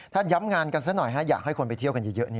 ถ้าย้ำงานกันซะหน่อยอยากให้คนไปเที่ยวกันเยอะ